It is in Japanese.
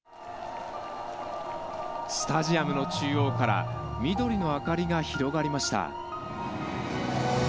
スタジアムの中央から緑の明かりが広がりました。